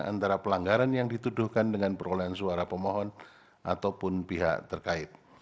antara pelanggaran yang dituduhkan dengan perolehan suara pemohon ataupun pihak terkait